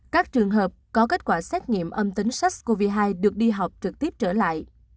các trường hợp có kết quả xét nghiệm âm tính sars cov hai được đi học trực tiếp trở lại